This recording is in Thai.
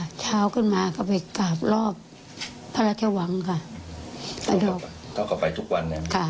ความสุดท้ายเขายังไปกราบ